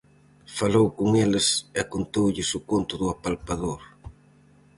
Falou con eles e contoulles o conto do Apalpador.